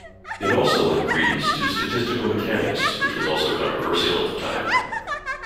It also lent credence to statistical mechanics, which was also controversial at the time.